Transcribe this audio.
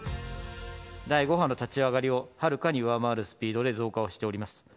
第５波の立ち上がりをはるかに上回るスピードで増加をしております。